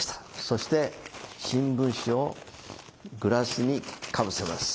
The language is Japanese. そして新聞紙をグラスにかぶせます。